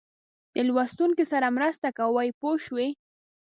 د لوستونکي سره مرسته کوي پوه شوې!.